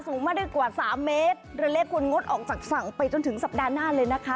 มาได้กว่าสามเมตรเรือเล็กควรงดออกจากฝั่งไปจนถึงสัปดาห์หน้าเลยนะคะ